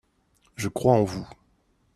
Je crois en vous.